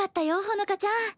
ほのかちゃん。